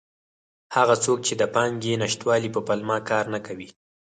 هغه څوک چې د پانګې نشتوالي په پلمه کار نه کوي.